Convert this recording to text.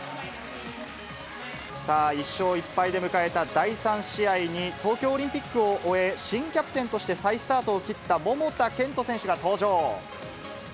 さあ、１勝１敗で迎えた第３試合に、東京オリンピックを終え、新キャプテンとして再スタートを切った桃田賢斗選手が登場。